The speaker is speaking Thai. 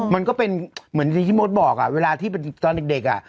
มันก็เป็นเหมือนที่มดบอกเวลาที่ตอนเด็กอ่ะ